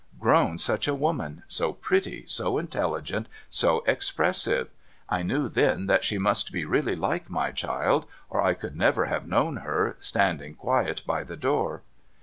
Grown such a woman, so pretty, so intelligent, so expressive ! I knew then that she must be really like my child, or I could never have known her, standing c^uiet by the door.